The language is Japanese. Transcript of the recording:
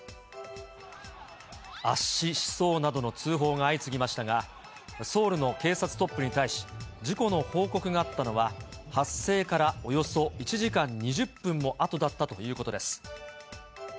圧死しそうなどの通報が相次ぎましたが、ソウルの警察トップに対し、事故の報告があったのは、発生からおよそ１時間２０分も後だったということです。